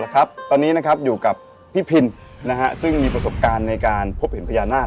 ตอนนี้อยู่กับพี่พินซึ่งมีประสบการณ์ในการพบเห็นพญานาค